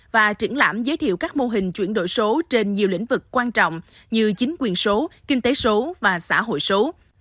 và triển lãm giới thiệu các mô hình chuyển đổi số trên nhiều lĩnh vực quan trọng như chính quyền số kinh tế số và xã hội số